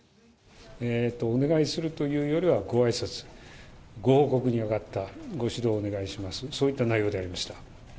お願いするというよりはごあいさつ、ご報告に上がった、ご指導お願いします、そういった内容でありました。